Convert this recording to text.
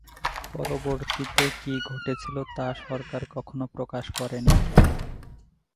পরবর্তীতে কী ঘটেছিল তা সরকার কখনো প্রকাশ করেনি।